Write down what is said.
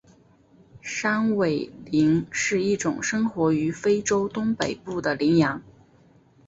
山苇羚是一种生活于非洲东北部的羚羊。